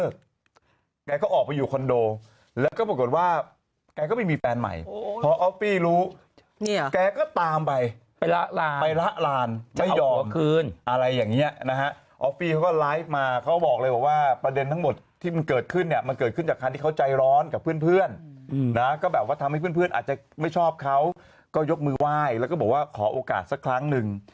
ก็แบบว่าทำให้เพื่อนอาจจะไม่ชอบเขาก็ยกมือไหว้แล้วก็บอกว่าขอโอกาสสักครั้งหนึ่ง